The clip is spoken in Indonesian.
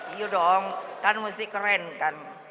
iya dong kan mesti keren kan